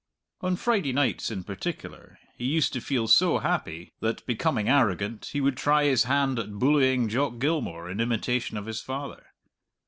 On Friday nights, in particular, he used to feel so happy that, becoming arrogant, he would try his hand at bullying Jock Gilmour in imitation of his father.